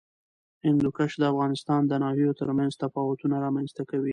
هندوکش د افغانستان د ناحیو ترمنځ تفاوتونه رامنځ ته کوي.